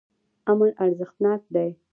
امن ارزښتناک دی.